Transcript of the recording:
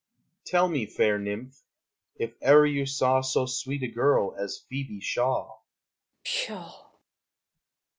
_ Tell me, fair nymph, if e'er you saw So sweet a girl as Phoebe Shaw. Echo. Pshaw!